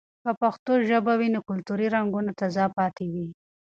که پښتو ژبه وي، نو کلتوري رنګونه تازه پاتې وي.